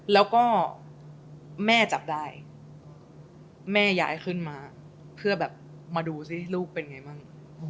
แล้วก็แม่จับได้แม่ย้ายขึ้นมาเพื่อแบบมาดูสิลูกเป็นไงบ้าง